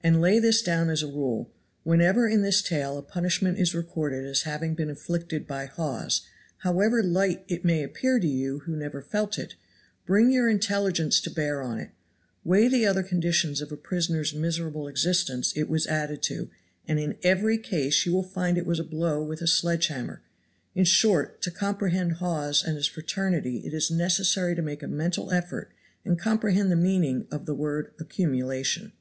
And lay this down as a rule, whenever in this tale a punishment is recorded as having been inflicted by Hawes, however light it may appear to you who never felt it, bring your intelligence to bear on it weigh the other conditions of a prisoner's miserable existence it was added to, and in every case you will find it was a blow with a sledge hammer; in short, to comprehend Hawes and his fraternity it is necessary to make a mental effort and comprehend the meaning of the word "accumulation."